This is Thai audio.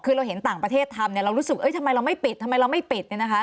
คือเราเห็นต่างประเทศทำเรารู้สึกทำไมเราไม่ปิดทำไมเราไม่ปิด